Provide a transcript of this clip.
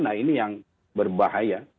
nah ini yang berbahaya